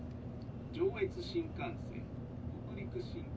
上越新幹線北陸新幹線